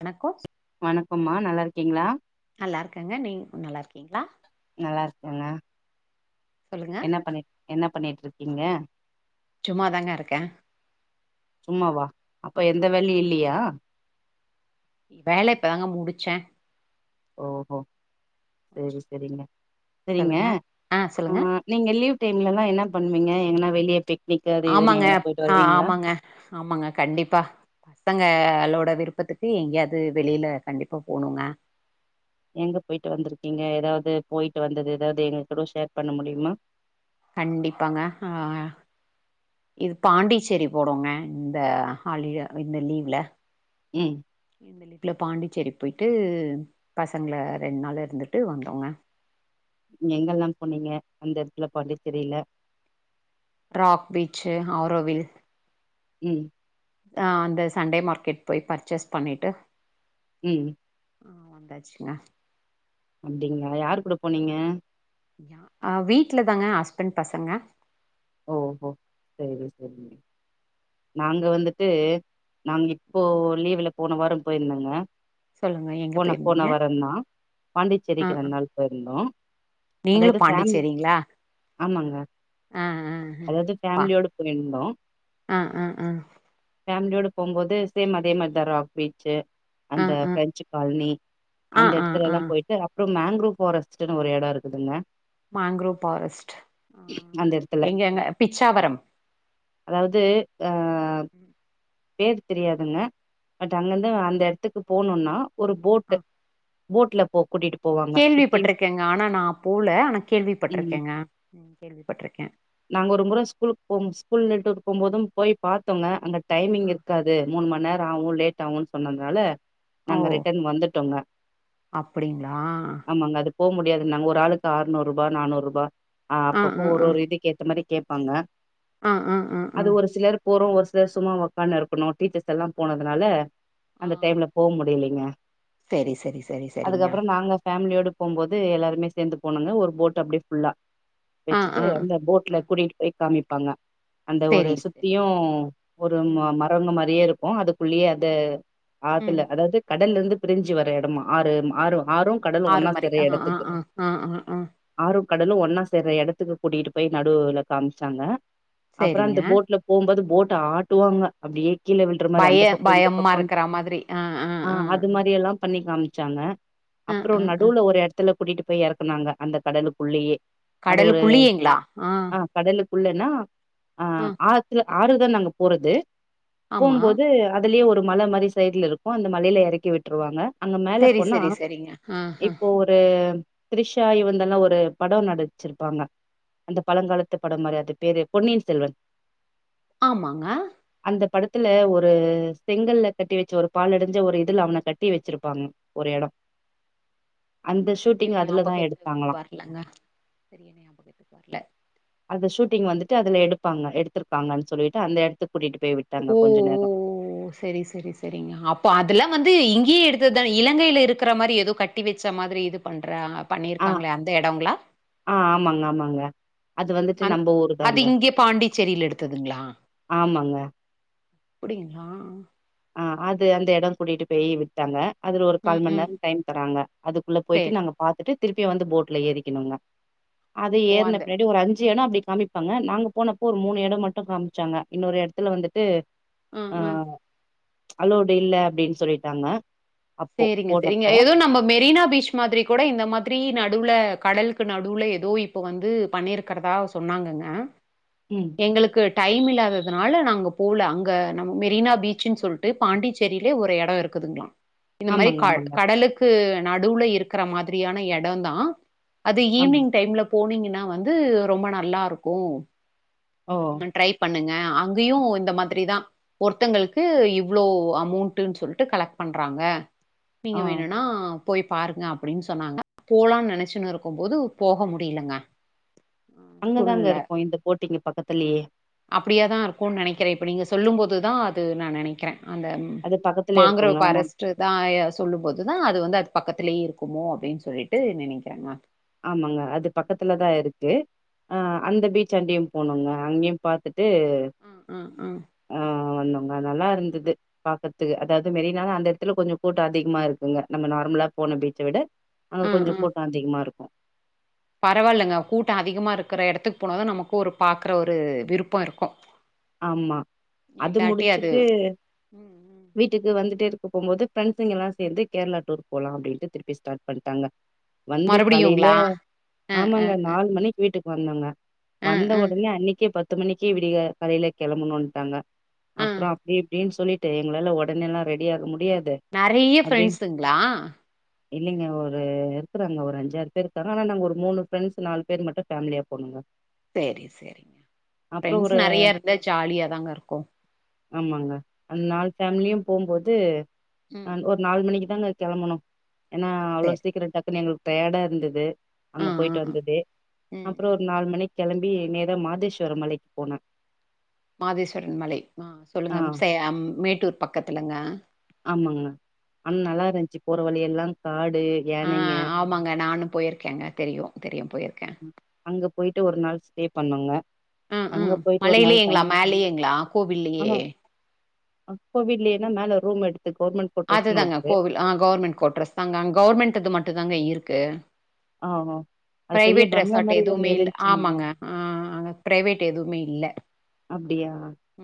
வணக்கோ வணக்கம்மா நல்லா இருக்கீங்களா நல்லா இருக்கங்க நீங் நல்லா இருக்கீங்களா நல்லா இருக்கே நா சொல்லுங்க என்ன பண்ணி என்ன பண்ணிட்டுருக்கீங்க சும்மாதாங்க இருக்கே சும்மாவா அப்ப ஆமா எந்த வேல்யு இல்லியா வேல இப்பதாங்க முடிச்ச ஓஹோ செரி செரிங்க செரிங்க சொல்லுங்க ஆ சொல்லுங்க நீங்க லீவ் டைம்ல எல்லா என்னா பண்வீங்க எங்கன்னா வெளிய பிக்னிக்கு அது இதுன் ஆமாங்க எங்கனா போயிட்டு ஆ வருவீங்களா ஆமாங்க ஆமாங்க கண்டிப்பா பசங்களோட விருப்பத்துக்கு எங்கேயாவது வெளியில கண்டிப்பா போணுங்க எங்க போயிட்டு வந்துருக்கீங்க எதாவது போயிட்டு வந்தது எதாவது எங்ககுட ஷேர் பண்ண முடியுமா கண்டிப்பாங்க ஆ இது பாண்டிச்சேரி போடோங்க இந்த ஹாலிடே இந்த லீவ்ல ம் இந்த லீப்பில் பாண்டிச்சேரி போயி்ட்டு பசங்கள ரெண் நாள் இருந்துட்டு வந்தோங்க ங்க எங்கெல்லா போனீங்க அந்த எடத்ல பாண்டிச்சேரியில ராக் பீச்சு ஆரோவில் ம் அ அந்த சண்டே மார்க்கெட் போய் பர்ச்சேஸ் பண்ணிட்டு ம் ஆ வந்தாச்சுங்க அப்டிங்களா யாரு கூட போனீங்க யா அ வீட்ல தாங்க ஹஸ்பண்ட் பசங்க ஓஹோ சேரி சேரி நாங்க வந்துட்டு நாங்க இப்போ லீவ்வுல போன வாரோ போயிந்தங்க சொல்லுங்க ஏ போன போன வாரந்தா ஆ பாண்டிச்சேரிக்கு ரெண் நாள் போயிருந்தோ நீங்களு அதாவது ஃபேமிலி பாண்டிச்சேரிங்களா ஆமாங்க ஆ ஆ ஆ. அதாவது பா ஃபேமிலியோடு போயிந்தோ ஆ ஆ ஆ ஃபேமிலியோடு போம்போது சேம் அதே மார்தா ராக் பீச்சு ஆ அந்த ஆ பிரெஞ்சு கால்னி ஆ அந்த ஆ ஆ எட்த்துலல்லா போயிட் டு அப்புறம் மேங்க்ரூவ் ஃபாரஸ்ட்ன்னு ஒரு எட இருக்குதுங்க மாங்க்ரோவ் பாரஸ்ட் அந்த எடத்துல எங்கங்க பிச்சாவரம் அதாவது ஆ ம். பேர் தெரியாதுங்க பட் அங்கேந்து அந்த எட்த்துக்கு போணுன்னா ஒரு ஆ போட்டு போட்ல போ கூட்டிட்டு போவாங் கேள்விப்பட்டிருக்கேங்க ஆனா நா போல ஆனா ம் கேள்விப்பட்டிருக்கேங்க ம் கேள்விப்பட்டிருக்கே நாங்க ஒரு முற ஸ்கூலுக் போம் ஸ்கூல்ட்டு போ போதும் போய் பாத்தோங்க அங்க டைமிங் இருக்காது மூன் மண் நேரோ ஆவு லேட் ஆவுன் சொன்னதுனால நாங்க ரிட்டர்ன் வந்துட்டோங்க அப்படிங்களா ஆமாங்க அதுக் போம் முடியாதுன்னாங்க ஒரு ஆளுக் ஆற்நூறுூபா நானூற்ரூபா் ஆ அப்பப்போ ஆ ஒரு ஆ ஒரு இது ஏத்த மாரி கேப்பாங்க ஆ ஆ ஆ ஆ அது ஒரு சிலர் போறு ஒரு த சும்மா ஒக்கான் இருக்கணு டீச்சர்ஸ் எல்லா போனதுனால ஆ அந்த டைம்ல போம் முடியலிங்க செரி செரி செரி செரிங்க அதுக்கப்புறம் நாங்க பேமிலியோட போம்போது எல்லாருமே சேந்து போனோங்க ஒரு போட் அப்படியே ஃபுல்லா ஆ வெச்சுட்டு ஆ அந்த போட் வீட்ல ஆ கூட்டிட் போய் காமிப்பாங்க அந்த ஒரு செரி சுத்தியு செரிங்க ஒரு ம ம் ம வங்க மாரியே இருக்கு அதுக்குள்ளியே அத ம் ஆத்துல அதாவது கடல்ல இருந்து பிரிஞ்சு வர எடமா ஆறு ஆறு ஆறும் ஆறு மாரி ஆ ஆ ஆ ஆ ஆ ஆ ஆறு கடலு ஒன்னா சேற்ற எடத்துக்கு கூட்டிட்டு போய் நடுல காமிச்சாங்க அப்புற சேரிங்க அந்த போட்ல போம்போது போட்ட ஆட்டுவாங்க அப்படியே கீழ வில்ற மாரி பய அந்த பக்க இந்த பயமா பக்கம் இருக்கற மாதிரி ஆ அது மாதிரி எல்லாம் பண்ணிக்கலாம் வைச்சாங்க ஆ அப்பற ஆ ஆ நடுவுல ஒரு இடத்துல கூட்டிகிட்டு போய் இறக்குனாங்க அந்த கடலுக்குள்ளயே அது ஒரு கடலுக்குள்ளியேங்களா ஆ கடலுக்குள்ளன்னா அ ஆ ஆத்துல ஆறுதா நாங்க போறது ஆமா போம்போது அதுலயே ஒரு மலை மாதிரி சைடுல இருக்கும் அந்த மலையில இறக்கி விட்டுருவாங்க அங்க மேல சேரி போனா சேரி சேரிங்க ஆ ஆ இப்போ ஒரு தரிஷா இவந்தெல்லா ஒரு பட நடிச்சிருப்பாங்க அந்த பழங்காலத்து படமாதிரி அது பேரு பொன்னியின் செல்வன் ஆமாங்க அந்த படத்துல ஒரு செங்கல்ல கட்டி வச்சு ஒரு பால்டஞ்ச ஒரு இதுல அவனை கட்டி வச்சிருப்பாங்க ஒரு இட அந்த ஷூட்டிங் அதுலதா எடுத்தாங்களா லங்க சரிய ஞாபகத்துக்கு வர்ல அந்த ஷூட்டிங் வந்துட்டு அதுல எடுப்பாங்க எடுத்திருக்காங்கன்னு சொல்லிட்டு அந்த எடுத்து கூட்டிட்டு போய்விட்டு ஓ ஓ சேரி சேரி சரிங்க அப்போ அதெல்லா வந்து இங்கேயே எடுடுத்ததா இலங்கில இருக்கிற மாதிரி ஏதோ கட்டி வச்ச மாதிரி இது பண்ற ஆ பண்ணியிருக்காங்களே அந்த இடங்கள்ள ஆ ஆமாங்க ஆமாங்க அது வந்துட்டு நம்ம ஊரு அது தாங்க இங்க பாண்டிச்சேரியில எடுத்ததுங்களா ஆமாங்க அப்டிங்களா ஆஹ் அது அந்த இட கூட்டிட்டு போய் ங்க அதுல ஒரு ம் கால் ம நேர ம் டைம் தராங்க அதுக்குள்ள போயிட்டு நாங்க பார்த்தட்டு திருப்பிய வந்து போட்ல ஏரிக்கணுங்க அது ஓ ஏறன அந்த பின்னாடி ஒரு அஞ்சு இட அப்டி காமி ப்பாங்க நாங்க போனப்போ ஒரு மூணு இட மட்டும் காமிச்சாங்க இன்னொரு இடத்துல வந்துட்டு ஆ அலோடு இல்ல அப்டின்னு சொல்லிட்டாங்க அப்போ சேரிங்க போனப்ப சேரிங்க ஏதோ நம்ம மெரினா பீச் இ மாதிரி கூட இந்த மாதிரி நடுவில் கடலுக்கு நடுவில்ல ஏதோ இப்போ வந்து பண்ணியிருக்கிறதா சொன்னாங்கங்க ம் எங்களுக்கு டைம் இல்லாததுனால நாங்க போல அங்க நம்ம மெரினா பீச்சுன்னு சொல்லிட்டு பாண்டிச்சேரியிலே ஒரு இட இருக்குதுங்களா இந்த மாதிரி ஆமாங்க ஆமாங்க கடலுக்கு நடுவுல இருக்கிற மாதிரியான இட தா அது ஆமாங்க ஈவி்னிங் டைம்ல போனீங்கன்னா வந்து ரொம்ப நல்லா இருக்கும் ஓ ஹ ட்ரை பண்ணுங்க அங்கயு இந்த மாதிரிதா ஒருத்தங்களுக்கு இவ்ளோ அமௌண்ட்டன்னு சொல்லிட்டு கலக்ட் பண்றாங்க நீங்க ஆ வேணும்னா போய் பாருங்க அப்டின்னு சொன்னாங்க போலாம்னு நினைச்சுன்னு இருக்கும்போது போக முடிலங்க அங்கதாங்க இருக்குங்க இந்த போட்டிங்க பக்கத்துலயே அப்டியா தா இருக்கும்னு நெனைக்கிற இப்ப நீங்க சொல்லு போதுதா அது நா நெனைக்கிற அந்த அது பக்கத்துலயே மாங்கரோ இருக்குங்க ஆனா ஃபாரஸ் தா சொல்லும் போதுதா அது வந்து அது பக்கத்திலேயே இருக்குமோ அப்டின்னு சொல்லிட்டு நெனைக்கிறங்க ஆமாங்க அது பக்கத்துல தா இருக்கு அ அந்த பீச் அண்டயு போனங்க அங்கயு பாத்துட்டு அ அ அ அ வந்தோங்க நல்லா இருந்து பாக்கறதுக்கு அதாவது மெரினால அந்த இடத்துல கொஞ்ச கூட்ட அதிகமா இருக்குங்க நம்ம நார்மலா போன பீச்ச விட அங்க கொஞ்ச கூட்ட அதிகமா இருக்கு பரவாயில்லங்க கூட்ட அதிகமா இருக்கிற இடத்துக்கு போனதா நமக்கு ஒரு பாக்கற ஒரு விருப்ப இருக்கும் ஆமா அது இல்லாட்டி அது முடிச்சுட்டு ம் ம் வீட்டுக்கு வந்துட்டே இருக்க போம்போது ஃபிரெண்டஸ்ங்கல்லாம் சேந்து கேரளா டூர் போலாம் அப்படின்ட்டு திருப்பி ஸ்டார்ட் பண்ட்டாங்க வந்து காலைல மறுபடியுங்களா அ அ ஆமாங்க அ நாலு மணிக்கு வீட்டுக்கு வந்தோங்க அ வந்த அ உடனே அன்னிக்கே பத்து மணிக்கே விடிய காலைலயில கிளம்பணும்னுட்டாங்க அ அப்புறம் அப்படி இப்படின்னு சொல்லிட்டு எங்களால உடனே எல்லாம் ரெடி ஆக முடியாது நெறைய ஃப்ரெண்ட்ஸ்ங்களா இல்லீங்க ஒரு இருக்கறாங்க ஒரு அஞ்சாறு பேரு இருக்காங்க ஆனா நாங்க ஒரு மூணு ஃப்ரெண்ட்ஸ் நாலு பேர் மட்டும் ஃபேமிலியா போணுங்க செரி செரி ஃப்ரெண்ட்ஸ் ஒரு நெறைய இருந்தா ஜாலியாதாங்க இருக்கும் ஆமாங்க அந்த நாலு ஃபேமிலியும் போம்போது அ ம் ஒரு ம் நாலு மணிக்கு தாங்க கெளம்பணோம் ஏன்னா அவ்ளோ சேரி சீக்கிரம் டக்குன்னு எங்களுக்கு டயர்டா இருந்தது ஆ அங்க ஆ போயிட்டு ஆ வந்தது ம் அப்புறம் ம் ஒரு நாலு ம் மணிக்கு கெளம்பி நேரா மாதேஸ்வர மலைக்கு போனே மாதேஸ்வரன் மலை அ ஆ சொல்லுங்க மேட்டூர் பக்கத்துலங்க ஆமாங்க ஆனா நல்லாருந்துச்சு போற வழி எல்லாம் காடு ஆ யானைங்க ஆமாங்க நானும் போயிருக்கேங்க தெரியும் தெரியும் போயிருக்கேன் அங்க போயிட்டு ஒரு நாள் ஸ்டே பண்ணோங்க ஆ ஆ அங்க போயிட்டு ஒரு நாள் மலையிலயேங்களா தங்கி மேலயேங்களா கோவில்லயே ஆமா அப்போ விடல்லைன்னா மேல ரூம் எடுத்து கௌர்மெண்ட் அதுதாங்க கோவில் அ கௌவர்மெண்ட் கோட்ரஸ் தாங்க அ கௌவர்மெண்ட்து மட்டும் தாங்க இருக்கு ஆ ஆ. அது பெரிய பிரைவேட் பங்களா ரெசார்ட் மாரி ஒண்ணு எதுவுமே இல்ல இருந்துச்சுங்க ஆமாங்க அ அங்க பிரைவேட் எதுவுமே இல்ல அப்டியா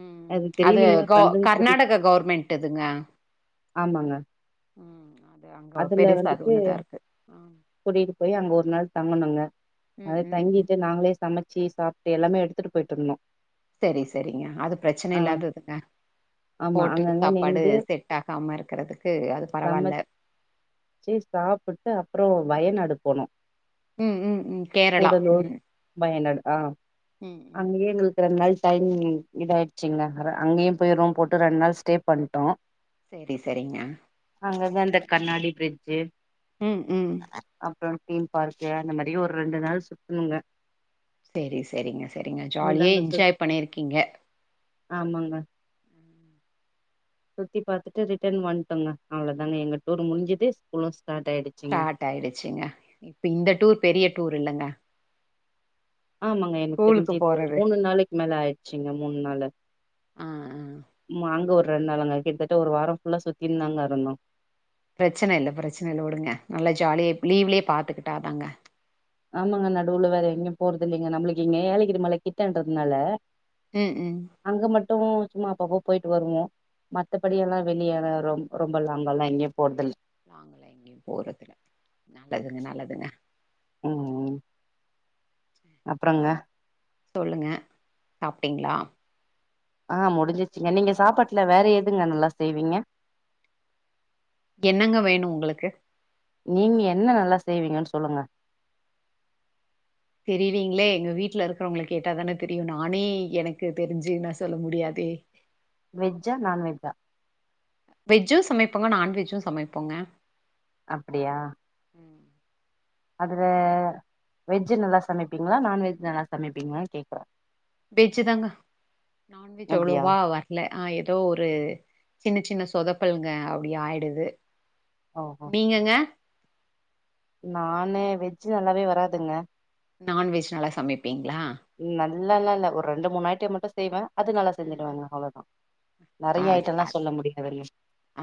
ம் அது தெரியலீங்க கௌ ஃப்ரெண்டுங்க கூட்டிட் கர்நாடக கவுர்மெண்ட்டுதுங்க ஆமாங்க ம் அது அங்க அதுல பெருசா அது வந்துட்டு ஒண்ணுதான் இருக்கு ம் கூட்டிட்டு போய் அங்க ஒரு நாள் தங்கனோங்க அத ம் ம் ம் தங்கிட்டு நாங்களே சமச்சி சி சாப்ட்டு எல்லாமே எடுத்துட்டு போயிட்டிருந்தோம் செரி செரிங்க அது பிரச்சன இல்லாததுங்க ஆமா ஹோட்டல் அங்கங்க சாப்பாடு நின்டு செட் ஆகாம இருக்குறதுக்கு அது பரவால்ல சி சாப்புட்டு அப்புறம் வயநாடு போனோம் ம் ம் ம் கேரளா கூடலூர் ம் வயநாடு அ ம் ம் அங்கயே எங்களுக்கு ரெண்டு நாள் டைம் இதாயிடுச்சுங்க அங்கயும் போய் ரூம் போட்டு ரெண்டு நாள் ஸ்டே பண்ட்டோம் செரி செரிங்க அங்கதான் இந்த கண்ணாடி பிரிட்ஜு ம் ம் அப்புறம் தீம் பார்க்கு அந்த மாதிரி ஒரு ரெண்டு நாள் சுத்தணுங்க செரி செரிங்க செரிங்க ஜாலியா அவ்ளோதாங்க சுத் என்ஜாய் பண்ணியிருக்கீங்க ஆமாங்க சுத்தி பாத்துட்டு ரிட்டன் வந்துட்டோங்க அவ்ளோதங்க எங்க டூர் முஞ்சுது ஸ்கூலும் ஸ்டார்ட் ஆயிடுச்சு ஸ்டார்ட் ஆயிடுச்சுங்க இப்ப இந்த டூர் பெரிய டூர் இல்லங்க ஆமாங்க எனக்கு ஸ்கூலுக்கு தெரிஞ்சு ஒரு போறது மூணு நாளைக்கு மேல ஆயிடுச்சுங்க மூணு நாளு ஆ ஆ மாங்க ஒரு ரெண்டு நாள்ங்கா கிட்டத்தட்ட ஒரு வாரம் ஃபுல்லா சுத்தினுதாங்க இருந்தோம் பிரச்சன இல்ல பிரச்சன இல்ல உடுங்க நல்லா ஜாலியா லீவ்லயே பாத்துக்கிட்டாதாங்க ஆமாங்க நடுவுல வேற எங்கயும் போறது இல்லைங்க நம்மளுக்கு இங்க ஏலகிரி மலை கிட்டன்றதுனால ம் ம் அங்க மட்டும் சும்மா அப்ப அப்ப போயிட்டு வருவோம் மத்தப்படியெல்லா வெளிய லா ரொம்ப லாங்கால்லா எங்கயு போறதுல்ல லாங்கலா எங்கயு போறதுல நல்லதுங்க நல்லதுங்க ம் ம் அப்றங்க சொல்லுங்க சாப்ட்டீங்ளா ஆ முடிஞ்சிச்சிங்க நீங்க சாப்பாட்ல வேற எதுங்க நல்லா செய்வீங்க என்னங்க வேணு உங்களுக்கு நீங்க என்ன நல்லா செய்வீங்கன்னு சொல்லுங்க தெரிலீங்ளே எங்க வீட்ல இருக்கிறவங்கள கேட்டா தானே தெரியு நானே எனக்கு தெரிஞ்சி நா சொல்ல முடியாதே வெஜ்ஜா நான்வெஜ்ஜா வெஜ்ஜு சமைப்போங்க நான்வெஜ்ஜு சமைப்போங்க அப்டியா அதுல ஆ வெஜ்ஜு நல்லா சமைப்பீங்ளா நான்வெஜ் நல்லா சமைப்பீங்ளா கேக்கற வெஜ்ஜு தாங்க நான்வெஜ் அப்டியா அவ்ளோவா வர ல்லஆ ஏதோ ஒரு சின்ன சின்ன சொதப்பல்ங்க அப்டி ஆயிடுது ஓஹோ நீங்கங்க நானு வெஜ்ஜு நல்லாவே வராதுங்க நான்வெஜ் நல்லா சமைப்பீங்ளா நல்லால்லா இல்ல ஒரு ரெண்டு மூணு ஐட்டோ மட்டு செய்வ அது நல்லா ம், ம். செஞ்சிடுவங்க அவ்ளோதா ஆ நெறைய ஐட்டோல்லா அ சொல்ல முடியாதுங்க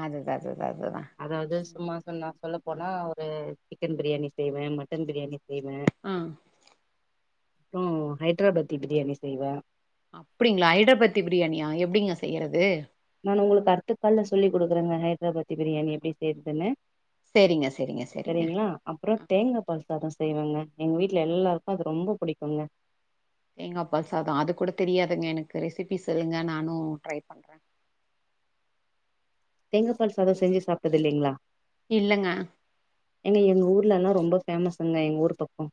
அதுதா அதுதா அதுதா அதாவது சும்மா சொன்னா சொல்ல போனா ஒரு சிக்கன் பிரியாணி செய்வே மட்டன் பிரியாணி செய்வே அ அப்றோ ஹைட்ராபாத்தி பிரியாணி செய்வே அப்டிங்ளா ஐட்ராபாத்தி பிரியாணியா எப்டிங்க செய்யறது நானு உங்களுக்கு அடுத்தக் கால்ல சொல்லி குடுக்குறங்க ஹைட்ராபாத்தி பிரியாணி எப்டி செய்யறதுன்னு சேரிங்க சேரிங்க சேரிங்க. செரிங்ளா அப்றோ ஆ தேங்கா பால் சாதோ செய்வங்க எங்க வீட்ல எல்லாருக்கு அது ரொம்ப புடிக்குங்க தேங்கா பால் சாதோ அது கூட தெரியாதுங்க எனக்கு ரெசிப்பி சொல்லுங்க நானோ ட்ரை பண்ற தேங்கா பால் சாதோ செஞ்சு சாப்ட்டது இல்லைங்ளா இல்லங்க ஏங்க எங்க ஊர்லல்லா ரொம்ப ஃபேமஸ்சுங்க எங்க ஊர் பக்கோ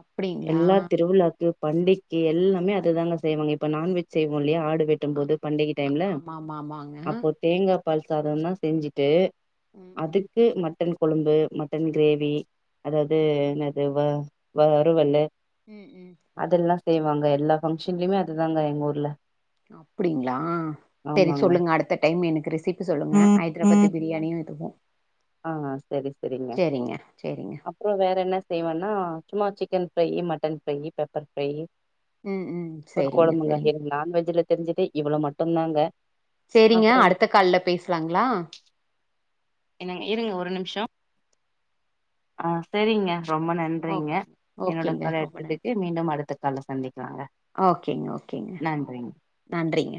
அப்டிங்களா எல்லா திருவிழாக் கு பண்டிக்கு எல்லாமே அதுதாங்க செய்வாங்க இப்ப நான்வெஜ் செய்வோ இல்லையா ஆடு வெட் டும் ஆ போது பண்டிக டைம்ல ஆமா ஆமா ஆமாங்க அப்போ தேங்கா பால் சாதோ தா செஞ்சிட்டு ம் ம் அதுக்கு மட்டன் கொழம்பு மட்டன் கிரேவி அதாவது என்னது வ வருவலு ம் ம் அதெல்லா செய்வாங்க எல்லா பங்க்ஷன்லயுமே அதுதாங்க எங்க ஊர்ல அப்டிங்ளா செரி ஆமாங்க சொல்லுங்க அடுத்த டைம் எனக்கு ரெசிபி சொல்லுங்க ம் ஹைட்ராபாத்தி ம் பிரியாணியு இதுவோ ஆ செரிங்க செரிங்க அப்றோ வேற என்ன செய்வேன்னா சும்மா chicken fry mutton fry pepper fry ம் ம் ஒரு சேரிங்க கொழம்புங்க சேரிங்க எனக்கு நான்வெஜ்ல தெரிஞ்சது இவ்ளோ மட்டுந்தாங்க சேரிங்க அப்புறம் அடுத்த கால்ல பேசலாங்ளா என்னங் இருங்க ஒரு நிம்ஷோ ஆ செரிங்க ரொம்ப நன் றிங்க ஓகேங்க என்னோட ஓகேங்க கால்ல ரொம்ப நன்றி எடுத்ததுக்கு மீண்டு அடுத்த கால்ல சந்திக்கலாங்க ஓகேங்க நன்றிங்க ஓகேங்க நன்றிங்க